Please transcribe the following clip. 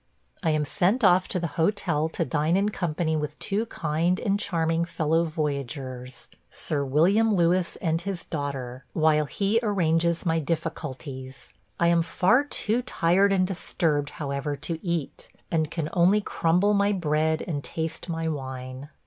I am sent off to the hotel to dine in company with two kind and charming fellow voyagers, Sir William Lewis and his daughter, while he arranges my difficulties. I am far too tired and disturbed, however, to eat, and can only crumble my bread and taste my wine.